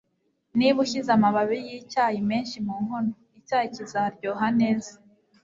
Niba ushyize amababi yicyayi menshi mu nkono, icyayi kizaryoha neza.